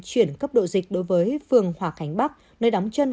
chuyển cấp độ dịch đối với phường hòa khánh bắc nơi đóng chân